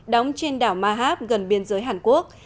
đóng trên đảo mahab gần biên giới hàn quốc